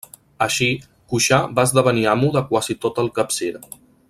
Així, Cuixà va esdevenir amo de quasi tot el Capcir.